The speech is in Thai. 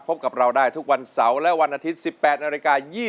พบกับเราได้ทุกวันเสาและวันอาทิตย์